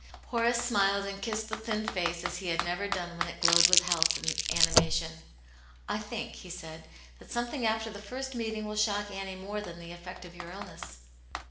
Horace smiled, and kissed the thin face as he had never done when it glowed with health and anima tion. " I think," he said, " that something after the first meeting will shock Annie more than the effect of your illness."